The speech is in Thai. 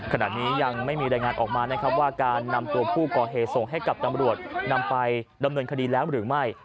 ขณะนี้ยังไม่มีรายงานออกมานะครับว่าการนำตัวผู้ก่อเหตุส่งให้กับตำรวจนำไปดำเนินคดีแล้วหรือไม่